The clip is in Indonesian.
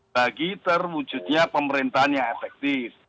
bagi terwujudnya pemerintahan yang efektif